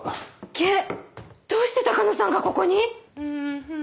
ゲッどうして鷹野さんがここに！？